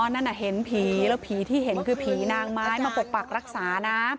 นั่นเห็นผีแล้วผีที่เห็นคือผีนางไม้มาปกปักรักษานะ